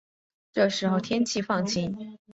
这时候天气放晴